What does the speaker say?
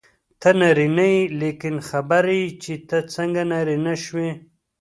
ته نارینه یې لیکن خبر یې چې ته څنګه نارینه شوې.